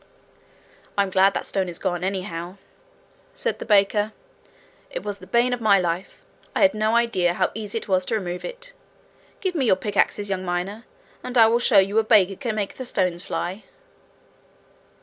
'I'm glad that stone is gone, anyhow,' said the baker. 'It was the bane of my life. I had no idea how easy it was to remove it. Give me your pickaxes young miner, and I will show you how a baker can make the stones fly.'